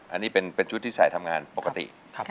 อันนี้เป็นชุดที่ใส่ทำงานปกติ